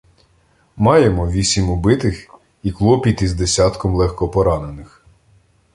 Маємо вісім убитих і клопіт із десятком легкопоранених.